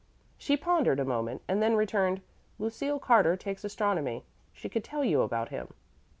She pondered a moment, and then returned, "Lucille Carter takes astronomy; she could tell you about him."